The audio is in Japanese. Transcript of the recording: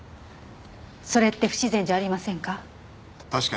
それって不自然じゃありませんか？